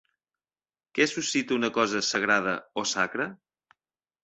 Què suscita una cosa "sagrada" o "sacra"?